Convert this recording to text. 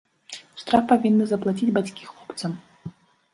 Штраф павінны заплаціць бацькі хлопца.